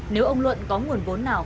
nếu ông luận có nguồn vốn nào